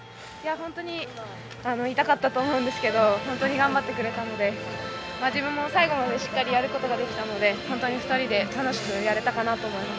本当に痛かったと思うんですけれども本当に頑張ってくれたので自分も最後までしっかりやることができたので本当に２人で楽しくやれたかなと思います。